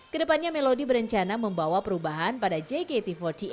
kedepannya melodi berencana membawa perubahan pada jkt empat puluh delapan